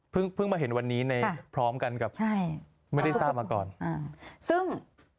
เพิ่งมาเห็นวันนี้ในพร้อมกันกับใช่ไม่ได้ทราบมาก่อนอ่าซึ่ง